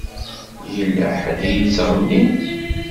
Yella ḥedd i yettɣennin.